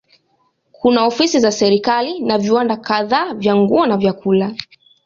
Kuna ofisi za serikali na viwanda kadhaa vya nguo na vyakula.